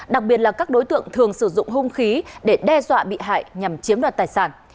đặc biệt là các đối tượng thường sử dụng hung khí để đe dọa bị hại nhằm chiếm đoạt tài sản